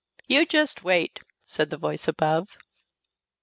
"You jest wait," said the voice above.